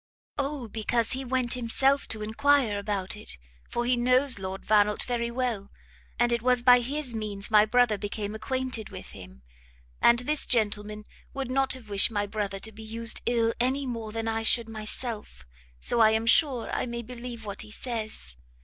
"O because he went himself to enquire about it; for he knows Lord Vannelt very well, and it was by his means my brother came acquainted with him. And this gentleman would not have wished my brother to be used ill any more than I should myself, so I am sure I may believe what he says.